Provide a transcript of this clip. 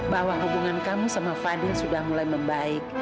bahwa hubungan kamu sama fadin sudah mulai membaik